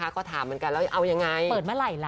ก็ถามแล้วยังไง